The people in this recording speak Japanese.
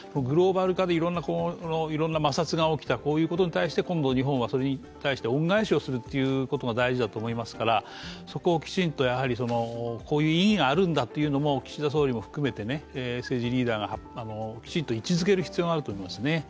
グローバル化でいろんな摩擦が起きた、こういうことに対して今度は日本はそれに対して恩返しをすることが大事だと思いますから、そこをきちんと、こういう意義があるんだということを岸田総理も含めて、政治リーダーがきちんと位置づける必要があると思いますね。